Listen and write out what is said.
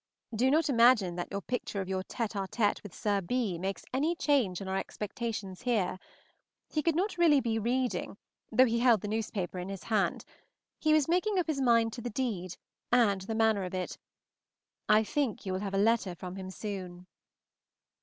Do not imagine that your picture of your tête à tête with Sir B. makes any change in our expectations here; he could not be really reading, though he held the newspaper in his hand; he was making up his mind to the deed, and the manner of it. I think you will have a letter from him soon.